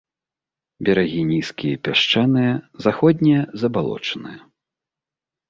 Берагі нізкія і пясчаныя, заходнія забалочаныя.